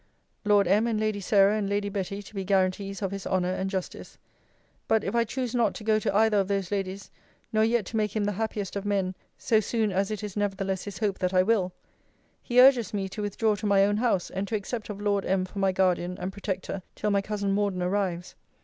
Lord M. and Lady Sarah and Lady Betty to be guarantees of his honour and justice. But, if I choose not to go to either of those ladies, nor yet to make him the happiest of men so soon as it is nevertheless his hope that I will, he urges me to withdraw to my own house, and to accept of Lord M. for my guardian and protector till my cousin Morden arrives.